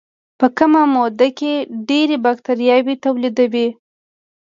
په کمه موده کې ډېرې باکتریاوې تولیدوي.